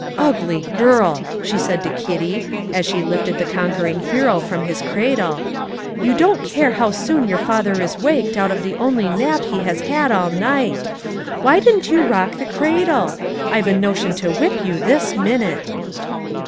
"Ugly girl!" she said to Kitty, as she lifted the conquering hero from his cradle; "you don't care how soon your father is waked out of the only nap he has had all night. Why didn't you rock the cradle? I've a notion to whip you this minute!"